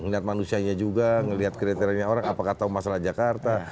ngelihat manusianya juga melihat kriterianya orang apakah tahu masalah jakarta